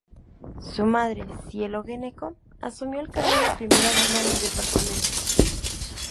Su madre, Cielo Gnecco asumió el cargo de primera dama del departamento.